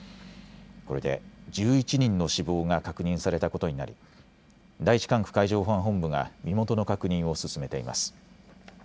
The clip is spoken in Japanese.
これで１１人の死亡が確認されたことになり第１管区海上保安本部が身元の確認を進めています。